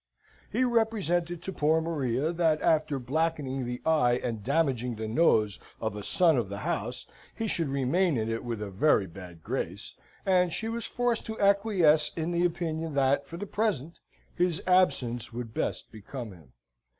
He represented to poor Maria, that after blackening the eye and damaging the nose of a son of the house, he should remain in it with a very bad grace; and she was forced to acquiesce in the opinion that, for the present, his absence would best become him.